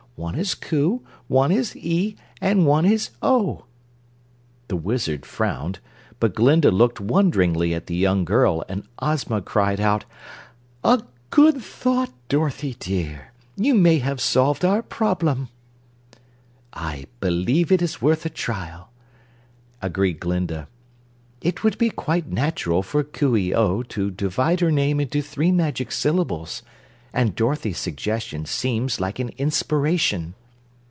One is 'Coo,' and one is 'ee,' and one is 'oh.'" The Wizard frowned but Glinda looked wonderingly at the young girl and Ozma cried out: "A good thought, Dorothy dear! You may have solved our problem." "I believe it is worth a trial," agreed Glinda. "It would be quite natural for Coo ee oh to divide her name into three magic syllables, and Dorothy's suggestion seems like an inspiration."